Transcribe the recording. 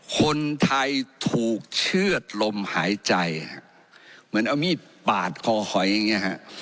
คนไทยถูกเชื่อดลมหายใจฮะเหมือนเอามีดปาดคอหอยอย่างเงี้ฮะ